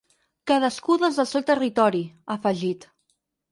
Cadascú des del seu territori, ha afegit.